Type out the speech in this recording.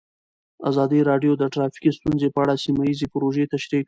ازادي راډیو د ټرافیکي ستونزې په اړه سیمه ییزې پروژې تشریح کړې.